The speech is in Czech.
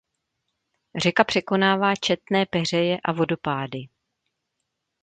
Řeka překonává četné peřeje a vodopády.